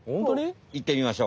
いってみましょう。